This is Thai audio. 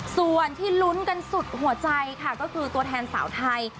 ส่วนที่ลุ้นกันสุดหัวใจค่ะก็คือตัวแทนสาวไทย